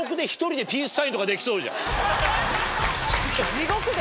地獄で？